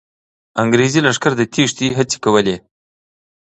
انګریزي لښکر د تېښتې هڅې کولې.